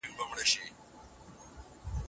د اجناسو تولید د پخوا په پرتله زیات دی.